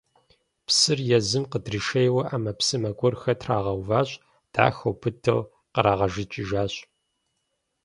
Псыр езым къыдришейуэ ӏэмэпсымэ гуэрхэр трагъэуващ, дахэу, быдэу кърагъэжыкӏыжащ.